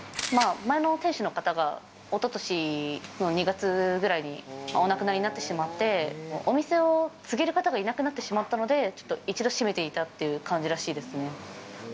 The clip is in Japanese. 前の店主の方が一昨年の２月ぐらいにお亡くなりになってしまって、お店を継げる方がいなくなってしまったので、一度閉めていたっていう感じらしいです。